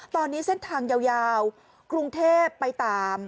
ตอนนี้เส้นทางยาวกรุงเทพไปตาม